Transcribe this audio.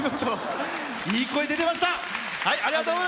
いい声、出てました。